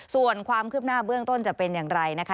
ส่วนความคืบหน้าเบื้องต้นจะเป็นอย่างไรนะคะ